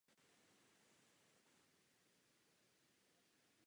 Film vznikal téměř dvě desítky let.